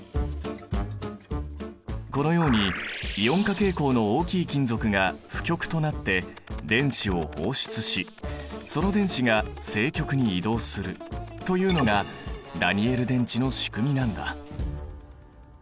このようにイオン化傾向の大きい金属が負極となって電子を放出しその電子が正極に移動するというのがダニエル電池のしくみなんだ。